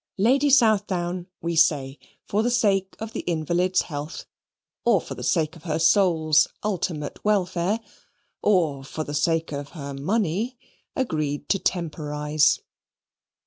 Lady Southdown, we say, for the sake of the invalid's health, or for the sake of her soul's ultimate welfare, or for the sake of her money, agreed to temporise.